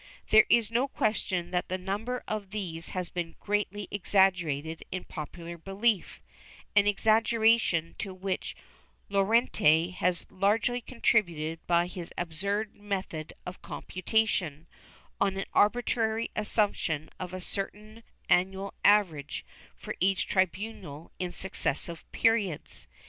There is no question that the number of these has been greatly exaggerated in popular belief, an exaggeration to which Llorente has largely contributed by his absurd method of computation, on an arbitrary assumption of a certain annual average for each tribunal in successive periods.